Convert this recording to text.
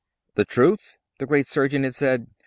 "The truth?" the great surgeon had said.